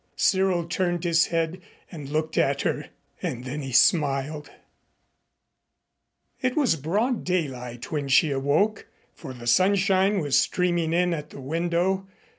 Cyril turned his head and looked at her, and then he smiled. It was broad daylight when she awoke, for the sunshine was streaming in at the window.